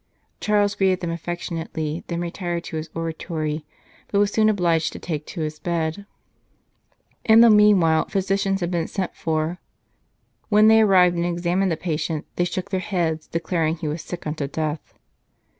Charles greeted them affectionately, then retired to his oratory, but was soon obliged to take to his bed. In the meanwhile physicians had been sent for. When they arrived and examined the patient, they shook their heads, declaring he was sick unto death.